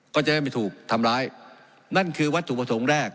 ก็จะไม่มีถูกทำร้ายนั่นคือวัตถุผสมแรก